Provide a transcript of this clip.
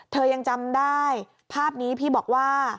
เธอยังจำได้ภาพนี้พี่บอกว่า